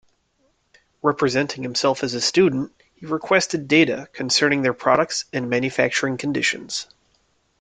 Representing himself as a student, he requested data concerning their products and manufacturing conditions.